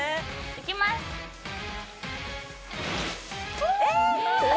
いきますお！